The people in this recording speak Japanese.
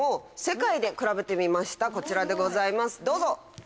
こちらでございますどうぞ。